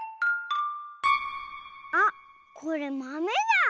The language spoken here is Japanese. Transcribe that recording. あっこれまめだ！